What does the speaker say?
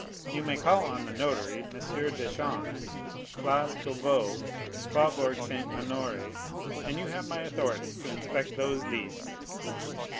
You may call on the notary, M. Deschamps, Place Beauveau, Faubourg Saint Honoré, and you have my authority to inspect those deeds."